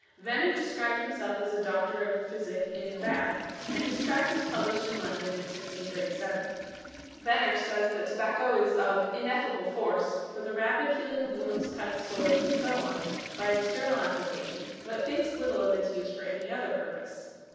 Venner described himself as a doctor of physic in Bath, and his tract was published in London in 1637. Venner says that tobacco is of "ineffable force" for the rapid healing of wounds, cuts, sores and so on, by external application, but thinks little of its use for any other purpose.